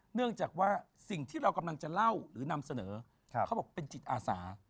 เนื่องจากว่าสิ่งที่เรากำลังจะเล่าหรือนำเสนอเขาบอกเป็นจิตอาสา